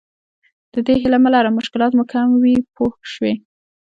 د دې هیله مه لره مشکلات مو کم وي پوه شوې!.